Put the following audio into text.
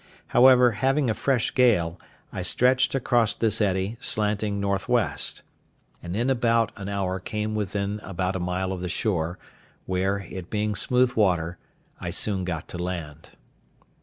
However, having a fresh gale, I stretched across this eddy, slanting north west; and in about an hour came within about a mile of the shore, where, it being smooth water, I soon got to land.